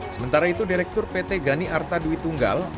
sementara itu direktur pt gani artaduit tunggal